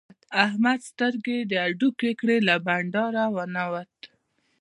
احمد سترګې د هډوکې کړې؛ له بانډاره و نه وت.